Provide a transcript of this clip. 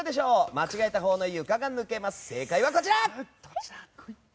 間違えたほうの床が抜けます。